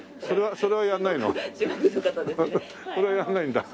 それはやらないんだ？